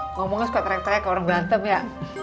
ngomongnya suka trek trek orang berantem ya